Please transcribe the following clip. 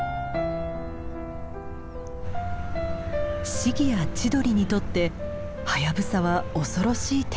シギやチドリにとってハヤブサは恐ろしい天敵。